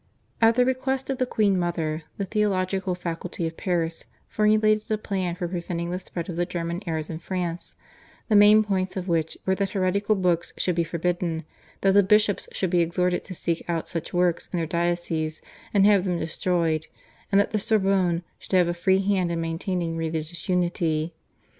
At the request of the queen mother the theological faculty of Paris formulated a plan for preventing the spread of the German errors in France, the main points of which were that heretical books should be forbidden, that the bishops should be exhorted to seek out such works in their dioceses and have them destroyed, and that the Sorbonne should have a free hand in maintaining religious unity.